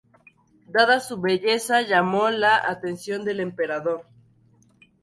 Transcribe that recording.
Dada su belleza, llamó la atención del emperador.